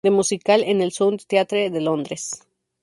The Musical", en el "Sound Theatre" de Londres.